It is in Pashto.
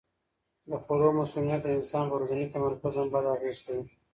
د خوړو مسمومیت د انسان پر ورځني تمرکز هم بد اغېز کوي.